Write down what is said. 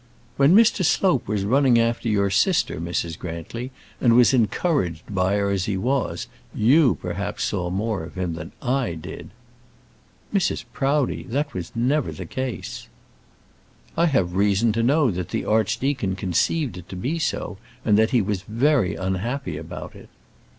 "When Mr. Slope was running after your sister, Mrs. Grantly, and was encouraged by her as he was, you perhaps saw more of him than I did." "Mrs. Proudie, that was never the case." "I have reason to know that the archdeacon conceived it to be so, and that he was very unhappy about it."